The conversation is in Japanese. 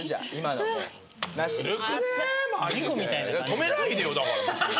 止めないでよだから別に。